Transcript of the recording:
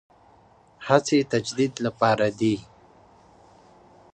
هڅې تجدید لپاره دي.